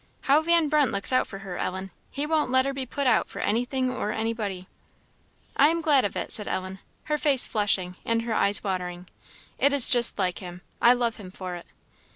How Van Brunt looks out for her, Ellen! he won't let her be put out for anything or anybody." "I am glad of it," said Ellen, her face flushing, and her eyes watering "it is just like him. I love him for it."